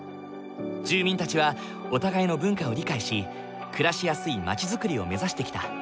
住民たちはお互いの文化を理解し暮らしやすい町づくりを目指してきた。